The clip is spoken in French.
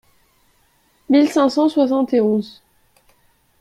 mille cinq cent soixante et onze).